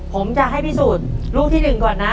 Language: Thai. ผมจะให้พิสูจน์ลูกที่๑ก่อนนะ